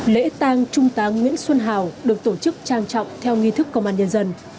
lễ tang trung tá nguyễn xuân hào được tổ chức trang trọng theo nghi thức công an nhân dân